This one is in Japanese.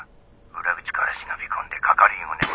裏口から忍び込んで係員を眠らせる」。